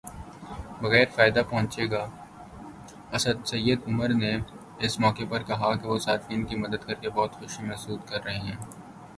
بغیر فائدہ پہنچے گا سید عمر نے اس موقع پر کہا کہ وہ صارفین کی مدد کرکے بہت خوشی محسوس کر رہے ہیں